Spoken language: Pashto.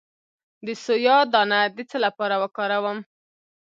د سویا دانه د څه لپاره وکاروم؟